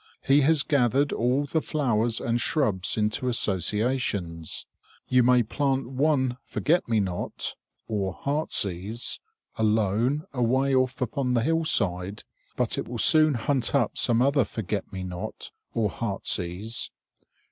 He has gathered all the flowers and shrubs into associations. You may plant one "forget me not" or "hearts ease" alone, away off upon the hillside, but it will soon hunt up some other "forget me not" or "hearts ease."